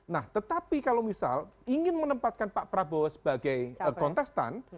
nah tetapi kalau misal ingin menempatkan pak prabowo sebagai kontestan